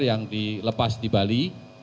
yang dilepas di bali